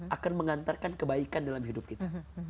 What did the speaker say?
akan mengantarkan kebaikan dalam hidup kita